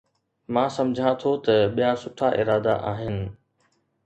مان سمجهان ٿو ته ٻيا سٺا ارادا آهن